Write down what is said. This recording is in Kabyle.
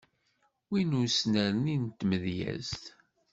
Win n usnerni n tmedyezt.